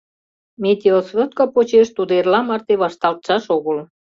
Метеосводка почеш, тудо эрла марте вашталтшаш огыл.